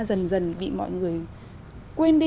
dần dần bị mọi người quên đi